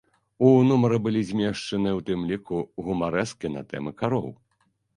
У нумары былі змешчаныя, у тым ліку, гумарэскі на тэмы кароў.